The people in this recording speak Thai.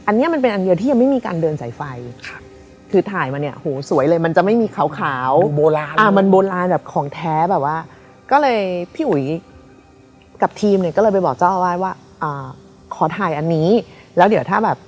อันนี้มันเป็นอันเดียวที่ยังไม่มีการเดินสายไฟ